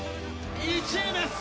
１位です。